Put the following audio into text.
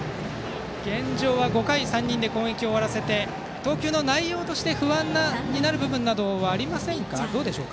現状は５回を３人で攻撃を終わらせて投球の内容として不安になる部分などありますか。